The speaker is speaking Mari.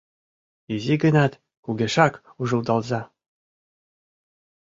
Изи гынат, кугешак ужылдалза.